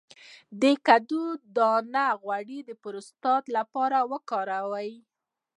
د کدو دانه غوړي د پروستات لپاره وکاروئ